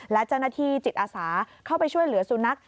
และเจ้าหน้าที่จิตอาสาเข้าไปช่วยเหลือสุนัข